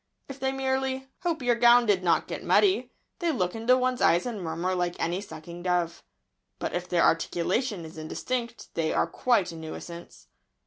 If they merely "hope your gown did not get muddy" they look into one's eyes and murmur like any sucking dove. But if their articulation is indistinct they are quite a nuisance.